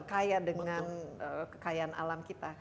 kaya dengan kekayaan alam kita